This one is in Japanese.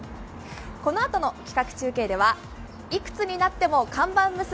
このあとの企画中継では、「いくつになっても“看板娘”！